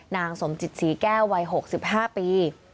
นางสมจิตศรีแก้ววัย๖๕ปี